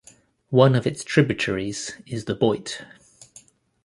One of its tributaries is the Boite.